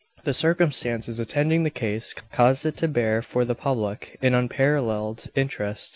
The circumstances attending the case caused it to bear for the public an unparalleled interest.